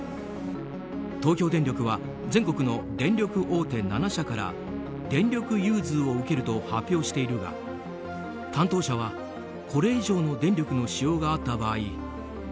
東京電力は全国の電力大手７社から電力融通を受けると発表しているが担当者は、これ以上の電力の使用があった場合